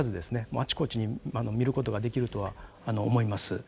あちこちに見ることができるとは思います。